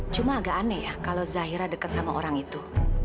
cuma agak aneh ya kalau zahira dekat sama orang itu